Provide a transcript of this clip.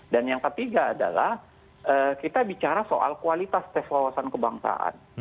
dan yang ketiga adalah kita bicara soal kualitas tes wawasan kebangsaan